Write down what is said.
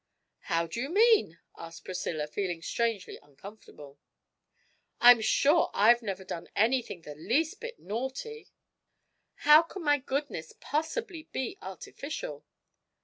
'How do you mean?' asked Priscilla, feeling strangely uncomfortable. 'I'm sure I've never done anything the least bit naughty how can my goodness possibly be artificial?'